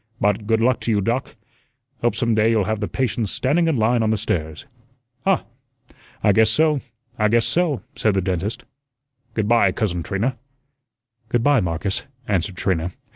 "But good luck to you, Doc. Hope some day you'll have the patients standing in line on the stairs." "Huh! I guess so, I guess so," said the dentist. "Good by, Cousin Trina." "Good by, Marcus," answered Trina.